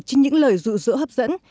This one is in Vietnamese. trên những lời rụ rỡ hấp dẫn